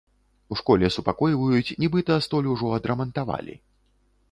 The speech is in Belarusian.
У школе супакойваюць, нібыта, столь ужо адрамантавалі.